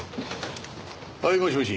はいもしもし。